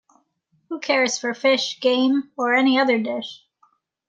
Who cares for fish, game, or any other dish?